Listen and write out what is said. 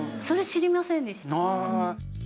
それ知りませんでした。